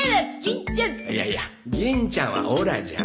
いやいや銀ちゃんはオラじゃ。